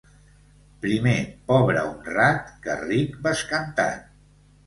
Primer pobre honrat que ric bescantat.